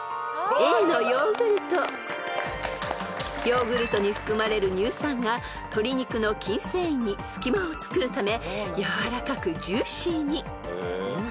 ［ヨーグルトに含まれる乳酸が鶏肉の筋繊維に隙間をつくるためやわらかくジューシーに］